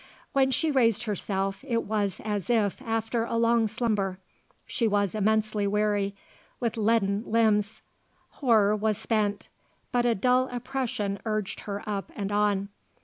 When she raised herself it was as if after a long slumber. She was immensely weary, with leaden limbs. Horror was spent; but a dull oppression urged her up and on.